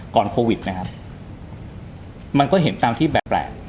โควิดนะครับมันก็เห็นตามที่แปลก